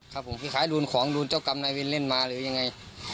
ครับผมคล้ายรูนของโดนเจ้ากรรมนายวินเล่นมาหรือยังไง